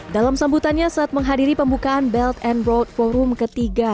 dalam sambutannya saat menghadiri pembukaan belt and road forum ketiga